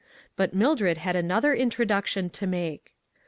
But Mildred had another introduction to make.